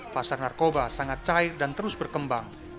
pasar narkoba sangat cair dan terus berkembang